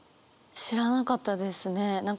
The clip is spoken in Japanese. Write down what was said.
知らなかったですね。